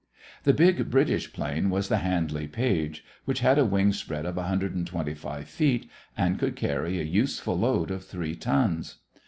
The big British plane was the Handley Page, which had a wing spread of 125 feet and could carry a useful load of three tons.